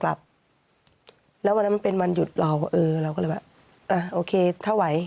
หลับแล้ววันนั้นมันเป็นวันหยุดเราเออเราก็เลยแบบอ่ะโอเคถ้าไหว